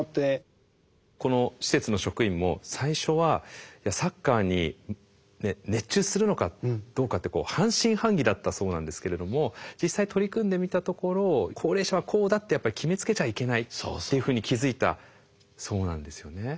この施設の職員も最初はサッカーに熱中するのかどうかって半信半疑だったそうなんですけれども実際取り組んでみたところ高齢者はこうだってやっぱり決めつけちゃいけないっていうふうに気付いたそうなんですよね。